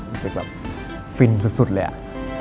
รู้สึกแบบฟินสุดเลยอะ